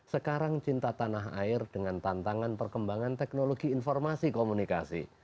sekarang cinta tanah air dengan tantangan perkembangan teknologi informasi komunikasi